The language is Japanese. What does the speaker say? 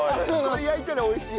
焼いたら美味しい。